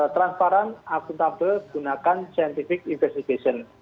transparan akuntabel gunakan scientific investigation